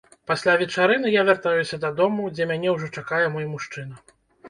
Пасля вечарыны я вяртаюся дадому, дзе мяне ўжо чакае мой мужчына.